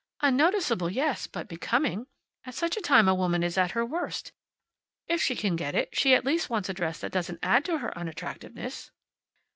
"Unnoticeable, yes; but becoming. At such a time a woman is at her worst. If she can get it, she at least wants a dress that doesn't add to her unattractiveness."